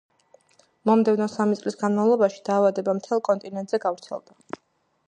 მომდევნო სამი წლის განმავლობაში დაავადება მთელ კონტინენტზე გავრცელდა.